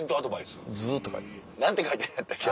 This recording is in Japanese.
何て書いてんのやったっけ？